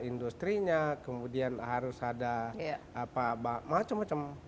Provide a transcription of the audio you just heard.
industri nya kemudian harus ada apa apa macam macam